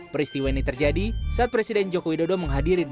peristiwa ini terjadi saat presiden joko widodo berposa di depan jokowi